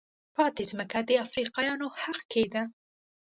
پاتې ځمکه د افریقایانو حق کېده.